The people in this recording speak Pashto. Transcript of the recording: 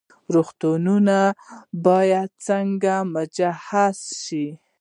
روغتونونه باید څنګه مجهز شي؟